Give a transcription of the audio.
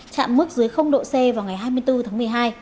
chạm mức dưới độ c vào ngày hai mươi bốn tháng một mươi hai